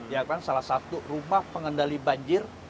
ya kan salah satu rumah pengendali banjir